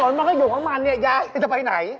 ถนนมันก็อยู่ข้างมาเนี่ยยายจะไปไหน